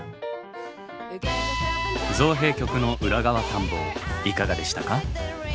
造幣局の裏側探訪いかがでしたか？